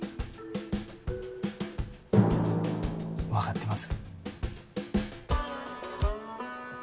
分かってます